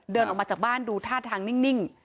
เดินออกมาจากบ้านดูท่าทางนิ่ง